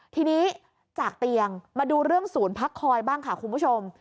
ทีนี้จากเตียงมาดูเรื่องศูนย์พักคอยบ้างค่ะคุณผู้ชม